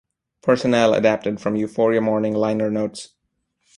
Personnel adapted from "Euphoria Morning" liner notes.